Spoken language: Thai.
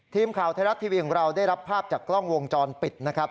ทีมข่าวไทยรัฐทีวีของเราได้รับภาพจากกล้องวงจรปิดนะครับ